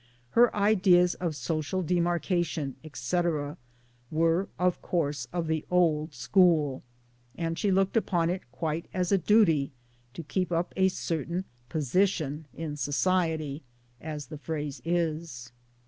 Her ideas of social demarcation, etc., were of course of the old school ; and she looked upon it quite as a duty to keep up a certain position in' society as the phrase is.